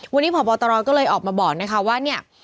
วันนี้พบตรก็เลยออกมาบอกนะคะว่าเนี่ย